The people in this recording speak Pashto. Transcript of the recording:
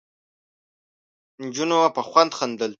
نجونو په خوند خندل.